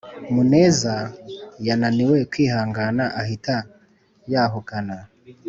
muneza yananiwe kwihangana ahita yahukana